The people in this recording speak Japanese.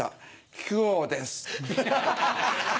木久扇です。